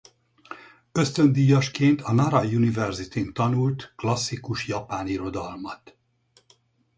Ösztöndíjasként a Nara University-n tanult klasszikus japán irodalmat.